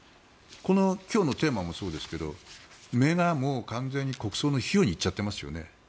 この今日のテーマもそうですが目が完全に国葬の費用に行っちゃってますよね。